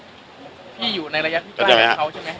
พี่อยู่ในระยะที่ใกล้ของเขาใช่มั้ย